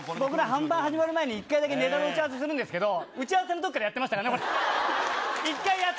半分始まる前に１回だけネタの打ち合わせをするんですけど打ち合わせのときからやってましたからね。